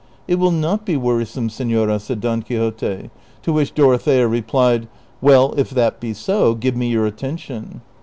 " It will not be wearisome, senora," said Don Quixote ; to which Dorothea replied, " Well, if that be so, give me your attention."